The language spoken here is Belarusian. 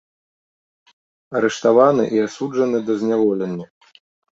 Арыштаваны і асуджаны да зняволення.